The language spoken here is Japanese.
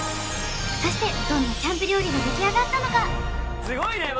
果たしてどんなキャンプ料理が出来上がったのか？